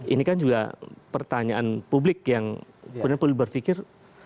ini kan juga pertanyaan publik yang punya pulih berpikir